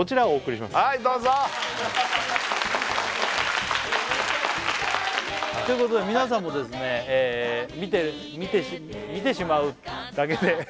はいどうぞ！ということで皆さんもですね「見てしまうだけで」